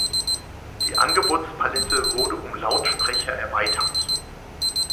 Die Angebotspalette wurde um Lautsprecher erweitert.